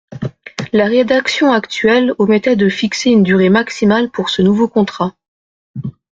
La rédaction actuelle omettait de fixer une durée maximale pour ce nouveau contrat.